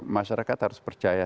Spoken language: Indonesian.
masyarakat harus percaya